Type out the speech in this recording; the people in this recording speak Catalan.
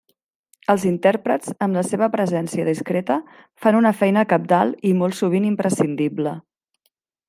Els intèrprets, amb la seva presència discreta, fan una feina cabdal i molt sovint imprescindible.